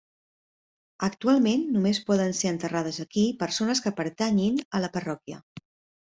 Actualment només poden ser enterrades aquí persones que pertanyin a la parròquia.